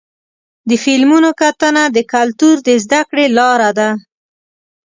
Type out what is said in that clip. د فلمونو کتنه د کلتور د زدهکړې لاره ده.